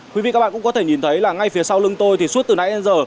quý vị các bạn cũng có thể nhìn thấy là ngay phía sau lưng tôi thì suốt từ nãy đến giờ